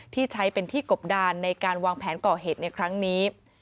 ที่ใช้เป็นที่กบดานในการวางแผนก่อเหตุในครั้งนี้